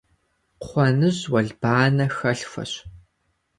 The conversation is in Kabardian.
Кхъуэныжь уэлбанэ хэлъхуэщ.